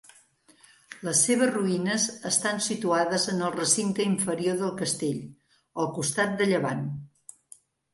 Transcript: Les seves ruïnes estan situades en el recinte inferior del castell, al costat de llevant.